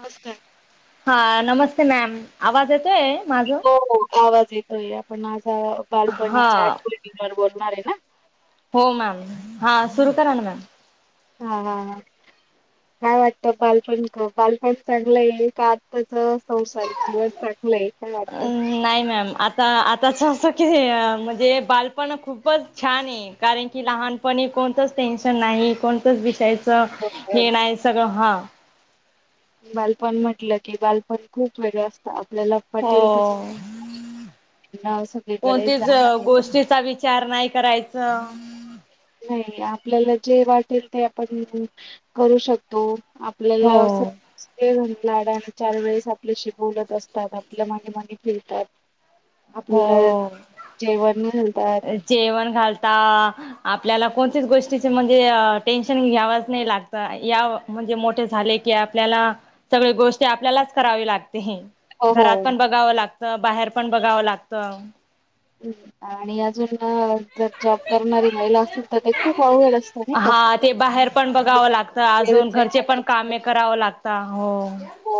नमस्कार! हा नमस्ते मॅम! आवाज येतोय? माझं हो हो आवाज येतोय. आपण आज हा बालपणीच्या आठणींवर बोलणार आहे ना? हो मॅम! हा सुरू करा ना मॅम. हा हा हा काय वाटतं बालपण क बालपण चांगलंय, का आत्ताच संसारिक जीवन चा गलंय काय वाटत? नाही मॅम, आता आताचं असं की, म्हणजे बालपण खूपच छान आहे. कारण की लहानपणी कोणतंच टेन्शन नाही कोण त विषयच हो, हो. हे नाय, सगळं हा बालपण म्हटलं की, बालपण खूप वेगळं असतं आपल्याला हो, पटेल तसं फिरणं सगळीकडे कोणतीच अ जाणं येणं. गोष्टीचा विचा चार नाही करायचं. नाही, आपल्याला जे वाटेल ते आपण करू शकतो. आ हो आपल्याला असं ते लाडाचं आणि चार वेळेस आपल्याशी बोलत असतात, आपल्या मागे मागे फिरतात. आपल्याला हो जेवण घालतात. जेवण घालता आपल्याला कोणतीच गोष्टीचे म्हणजे टेन्शन घ्यावाच नाही लागत या. म्हणजे मोठे झाले की आपल्याला सगळे गोष्टी आपल्यालाच करावी लागते हे. हो हो घरात पण बघावं लागत बाहेर पण बघावं लागत. आणि अजून ह जर जॉब करणारी महिला असेल तर ते खूप अवघड असतं नाहि का? तर अजून घरचे पण कामे करावं लागता हो हो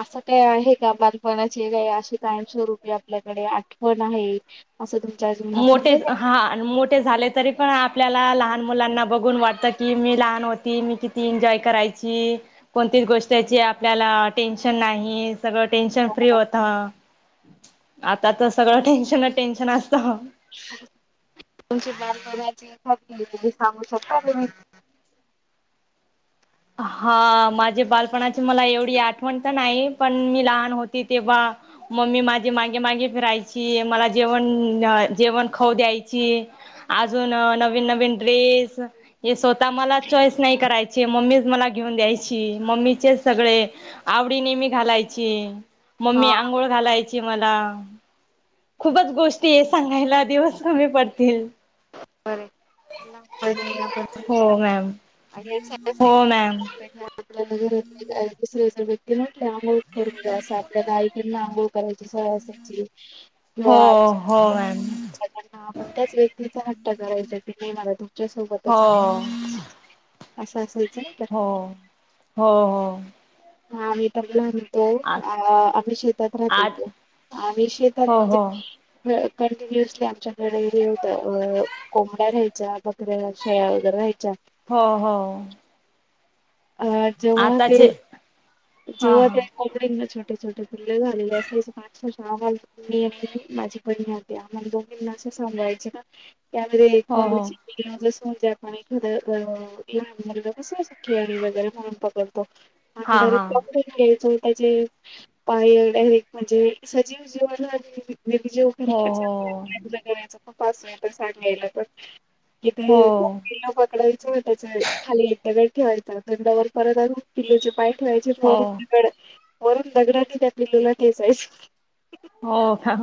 असं काय आहे का बालपणाचे काय अशी कायम स्वरूपी आपल्याकडे आठवण आहे. असं तुमच्या जीवनात मोठेच घडलेलं आहे हा अन मोठे झालेत तरी पण आपल्याला लहान मुलांना बघून वाटतं की मी लहान व्हती मी किती एन्जॉय करायची. कोणतीच गोष्टची आपल्याला टेन्शन नाही सगळं टेन्शन फ्री होत हं आता तर सगळं टेन्शनच टेन्शन असत तुमच्या बालपणाची एखादी [unintelligible] तुम्ही सांगू शकता तुम्ही? हा माझ्या बालपणाची मला एवढी आठवण तर नाही, पण मी लहान होती तेव्हा मम्मी माझ्या मागे मागे फिरायची, मला जेवण जेवण खाऊ द्यायची. अजून नवीन नवीन ड्रेस हे स्वतः मला चॉईस नाही करायची मम्मीज मला घेऊन द्यायची मम्मीचे सगळे आवडीनेे मी घालायची. हा मम्मी अंघोळ घालायची मला, खूपच गोष्टी सांगायला दिवस कमी पडतील. [unintelligible] हो मॅम, आणि सहसा हो मॅम आपल्याला घरातल्या दुसऱ्या व्यक्ती म्हटल्या करून [unintelligible] करायची सवय असायची हो हो मॅम [unintelligible] आपण त्याच व तिचा हट्ट करायचा कि नाही मला तुमच्या सोबतच आहे हो असं असायचं णा? हो हो हो, हां मी तर येणार ना. आ तो आम्ही शेतात राहत आज होतो. आम्ही शेतात हो हो म्हणजे कंटिन्युअसली आमच्या कडे हे होतं कोंबड्या राहायच्या, बकऱ्या, शेळ्या वगैरे राहायच्या. हो हो आ जेव्हा ते आताचे हा जेव्हा हा ते कोंबड्याना छोटे छोटे पिल्लं झालेले असायचे ना अक्षरशः आम्हाला मी आणि माझी बहीण अन त्या आम्हाला दोघींना असं सांभाळायचे ना [unintelligible] हो हो असं खेळणी वगैरे म्हणून पकडतो आम्ही हा हा डायरेक्ट क घ्यायचो त्याचे पण एक आहे डायरेक्ट म्हणजे सजीव जीव हो अन हो [unintelligible] [unintelligible] सांगायला पण हो [unintelligible] पकडेल त्या खाली एक दगड ठेवायचा त्याच्यावर परत किल्लोचे पाय ठेवायचे वरून हो दगड वरून दगडाने त्या पिल्लूला ठेसायचं. हो का?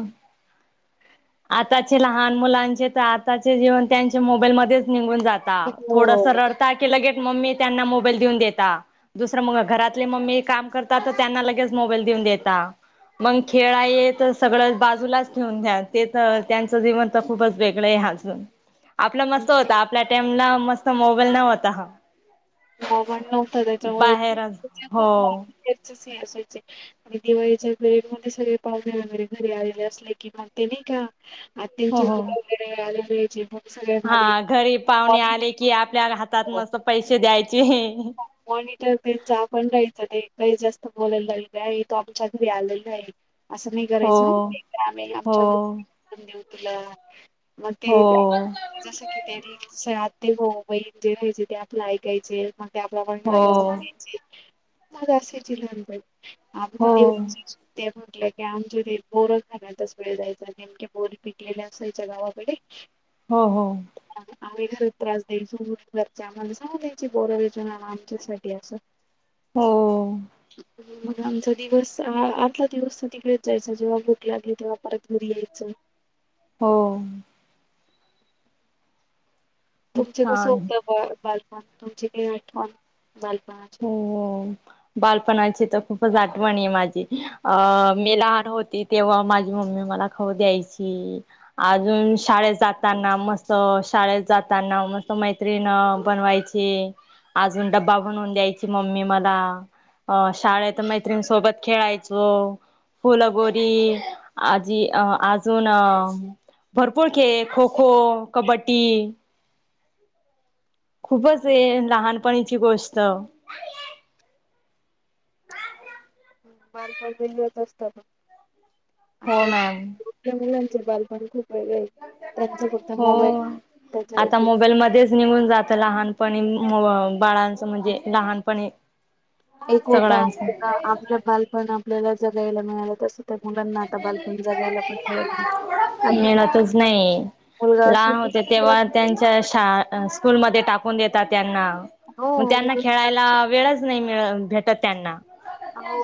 आताचे लहान मुलांचे तर आताचे जीवन त्यांचे मोबाईल मध्येच निंघून जात थोडसं हो. रडता की लगेच मम्मी त्यांना मोबाईल देऊन देता. दुसरं मग घरातली मम्मी काम करता, तर त्यांना लगेच मोबाईल देऊन देता. मग खेळ आहे तर सगळं बाजूलाच घेऊन द्याल. तर त्यांचं जीवन तर खूपच वेगळं आहे अजून आपलं मस्त होतं, आप त्या टाईमला मस्त मोबाईल नव्हता हा मन नव्हतं त्याच्यामुळे बाहेरच हो [unintelligible] असायचे आणि दिवाळीच्या घरी मध्ये सगळे पावणे वगैरे घरी आलेले असले की मग ते नाय का आ हो त्यांचे हो. बुक वगैरे [unintelligible] घ्यायचे हा घरी पाहुणे आले की आपल्या हातात मस्त पैसे द्यायचे. मॉनिटर जायचा आपण जायचं नाही काही जास्त बोलायला आहे तो आमच्या घरी आलेला असं नाही हो करायचंय हं. आम्ही आमच्या हो. रूम देऊ तुला. मग हो तीही द्या. जसं कि त्यानी आते भाऊ जे राहायचे ते आपलं ऐकायचे. हो त्याप्रमाणे [unintelligible] आमच हो दिवस ते म्हटलं की आमच्या बोरं खाण्यातच वेळ जायचं ना. ने बोरी पिकलेले असायच्या गावाकडे. हो. हो. आम्ही घरी त्रास द्याचो घर आम्हाला सांगायचो बोरं. [unintelligible] आमच्यासाठी असेल. हो... मग आमचा दिवस आर्धा दिवस तर तिकडेच जायचं जेव्हा भूक लागली तेव्हा परत घरी यायचं. हो. तुमचे कसं छान होतं बा बालपण तुमची काही आठवण बालपणाची हो बालपणाची तर खूपच आठवण आहे माझी. अ... मी लहान होती तेव्हा माझी मम्मी मला खाऊ द्यायची. अजून शाळेत जाताना मस्तं. शाळेत जाताना मस्तं मै- त्रीण बनवायची. अजून डब्बा बनवून द्यायची मम्मी मला. अ.. शाळेत मैत्रिणीसोबत खेळायचो. फुलगोरी आजी अ... अजून अ भरपूर खेळ खो खो, कबड्डी. हो, खूपच हे लहानपणीची गोष्ट. बालपण [unintelligible] असत पण आता मॅम मोठ्या मुलांचे बालपण. पण खूप वेगळं आहे. त्यांचा फक्त हो मोबाईल त्याच्यानं आता ती मोबाईल मध्येच निघून जात लहानपणी बाळांच म्हणजे लहानपणी. एक होता सगळ्यांच आपल्याला आपलं बालपण आपल्याला जगायला मिळालं तसं. तर मुलांना आता बालपण जागायला पण मिळत नाही. मिळतच [inaudible] नाही मुलगा असो लहान की होते मुलगी तेव्हा त्यां असो त्या शाळा अ... स्कूल मध्ये टाकून देतात. त्यांना मग त्यांना हो खेळायला वेळचं नाही मिळ भेटत त्यांना. हो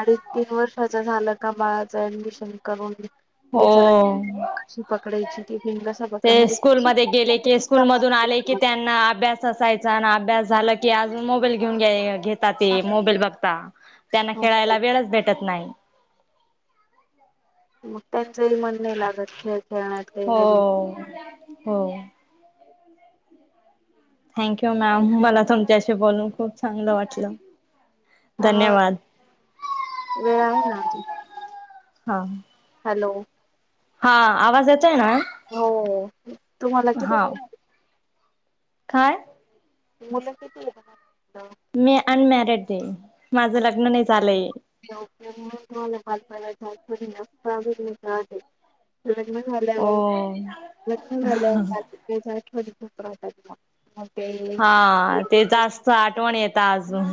अडीच तीन वर्षाच झालं का बाळाचं ऍडमिशन करून हो... अशी पकडायची ती पिंग कसा पकड म्हणजे. [inaudible] स्कूल मधून आले की त्यांना अभ्यास असायचा. अभ्यास झाला की अजून मोबाईल घेऊन ते मोबाईल बघता त्यांना हो खेळायला वेळच भेटतचं नाही. मग त्यांचंही मन नाही लागत खेळ खेळण्यात. काही हो.... नवीन हो.... थँक्यू मॅम. मला तुमच्याशी बोलून खूप चांगलं वाटलं. अ धन्यवाद. वेळ आहे ना अजून हा. हॅलो. हा... आवाज येतोय ना. हो... तुम्हाला किती हा मुले आहेत? काय? मुलं किती आहे मी अनमॅरिड आहे, माझं लग्न नाही झालंय [unintelligible] लग्न हो झाल्यावर लग्न झाल्यावर [unintelligible] हा ते जास्त आठवण येता अजून.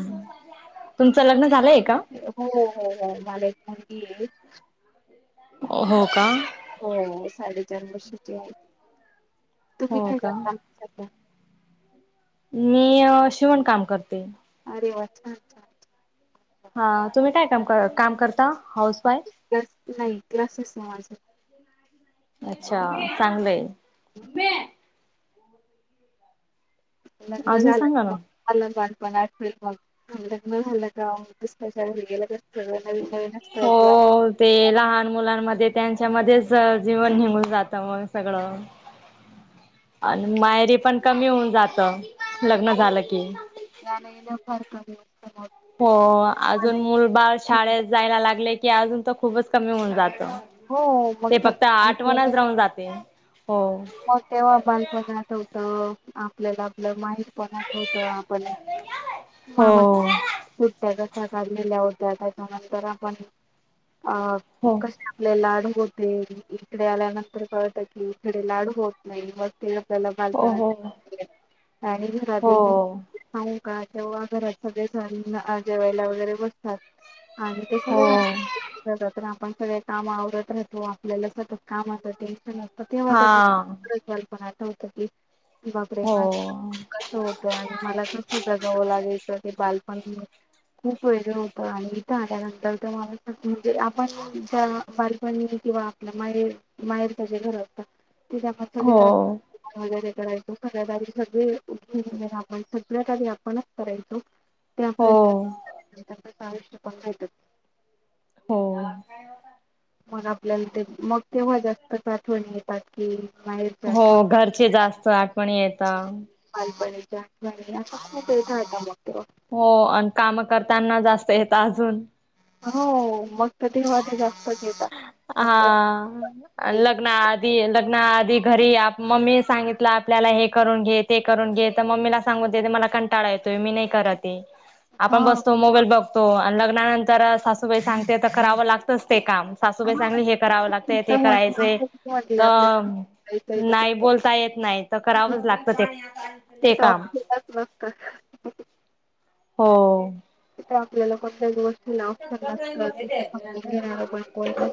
तुमचं लग्न झालंय का हो.. हो.. मला एक मुलगी आहे. हो का? हो साडेचार वर्षाची आहे. तुम्ही हो काय का करता? मी अ... शिवण काम करते. अरे वा! छान छान. छान. हा. तुम्ही काय काम कर काम करता? Housewife. आमचे क्लास नाही क्लासच ना माझं अच्छा चांगलंय लग्न अजून झालं सांगा मग ना तुम्हाला बालपन आठवेल मग, लग्न झालं का दुसऱ्याच्या घरी गेलं का सगळं नवीन नवीन असतं हो... किंवा ते लहान मुलांमध्ये त्यांच्यामध्येच जीवन निघून जातं मग सगळं आणि माहेरी पण कमी होऊन जात लग्न झालं की जान येण फार कमी होऊन जात हो अजून मुलबाळ शाळेत जायला लागले की अजून तर खुपचं कमी होऊन जात हो मग ते फक्त तर आठवणच राहून जाते हो हो तेव्हा बालपण आठवत, आपल्याला आपलं माहेर पण आठवत मामा हो सुट्ट्या कशा काढलेल्या होत्या त्याच्यानंतर आपण हो कसे आपले लाड होते इकडे आल्यानंतर कळत की इकडे लाड नाही मस् ते आपल्याला हो बालपण हो आणि घरातील हो पण का तेव्हा घरात सगळे जण जेवायला वगैरे बसतात आणि ते सगळ हो जण आपण सगळे काम आवरत राहतो आपल्याला सतत काम असत तेच तर ना तेव्हापण हा की बालपण आठवत कि बापरे हो माझं कसं होतं आणि मला कसं जगावं लागायचं ते बालपण खूप वेगळं होतं आणि इथं आल्यानंतर तर म्हणजे आपण बालपणी किंवा आपल माहेर, माहेरच जे घर होतं तिथे आपण सगळे हो राहायचो काम वगैरे करायचो सगळ्यात आधी सगळे उठायचो सगळे आपण सगळ्यात आधी आपणच करायचो ते आपल हो आयुष्य नाही भेटत हो मग आपल्याला ते मग तेव्हा जास्तच आठवणी येतात की माहेर हो घरची जास्त आठवणी येतात बालपणीच्या आठवणी असं खूप आठवतात मग तेव्हा हो आणि काम करताना जास्त येतात अजून हो मग तर तेव्हा ते जास्त हा आणि लग्नात लग्ना आधी घरी या मम्मी ने सांगितलं आपल्याला हे करून घे ते करून घे तर मम्मीला सांगुन दे, मला कंटाळा येतोय मी नाही करत ये हा आपण बसतो मोबाईल बघतो आणि लग्नानंतर सासूबाई सांगते तर करावं लागतच ते काम सासूबाई हा चांगली हे करावं लागतय तर ते म्हटलं करायचंय असं म्हटले आपल्या तर जायचंय तर ते नाही बोलता येत नाही तर नाही, करावंच लागत ते, ते काम हच् हो तथ आपल्याला कोणला दिव [unintelligible] तला ऑप्शन नत त समजून घेणार पण कोज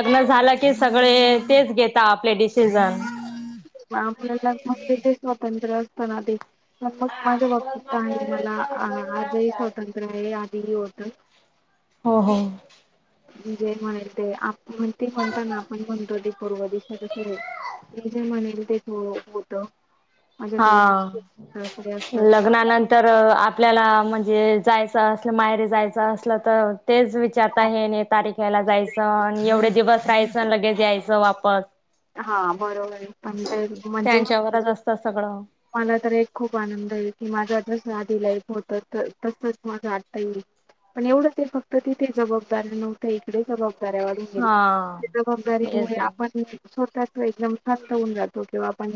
[unintelligible] कि सगळे तेच घेता आपले डिसिजन आपल्या लगग तिथे स्वातंत्र्य असताना ते तर मग माझ्या बाबतीत आहे मला आजही स्वातंत्र्य आहे आधीही होत हो हो मी जे म्हणेल ते, आपण म्हणतो ना ते आपण म्हणतो ते पूर्व देशात कस ते जे म्हणेल तेच होत माझ्याकडे हा सासरे असतात. लग्नानंतर तर आपल्याला म्हणजे जायचं असलं माहेरी जायचं असलं तर तेच विचारता ह्या तारीखेला जायचं एवढे दिवस राहायचं लगेच यायचं वापस हा बरोबर आहे पण ते म्हणजे त्यांच्यावरंच असतं सगळं मला तर एक खूप आनंद येईल की माझ्या जसं आधी लाईफ होतं तसच माझं आता येईल पण एवढंचं हाय फक्त तिथे जबाबदारी नव्हती इकडे जबाबदाऱ्या वाढ हा येस जबाबदारीमूळे आहे आपण स्वतः एकदम शांत होऊन जातो किंवा आपण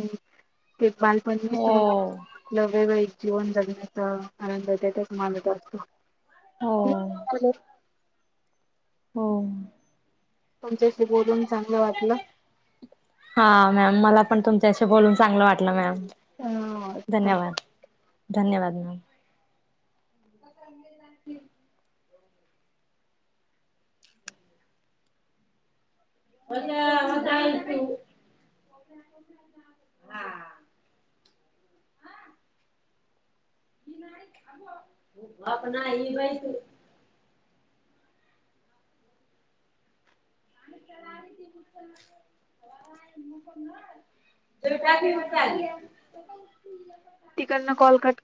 ते पण मीच तुला हो योग्य वेळी जीवन जगण्याचा आनंद त्याच्याच मानत असतो हो [unintelligible] हो तुमच्याशी बोलून चांगलं वाटलं हा मॅम मला पण तुमच्याशी बोलून चांगलं वाटलं मॅम अ धन्यवाद धन्यवाद मॅम [inaudible] [inaudible] [unintelligible] हा होप नाही इ बाई तू [unintelligible] तिकडनं कॉल कट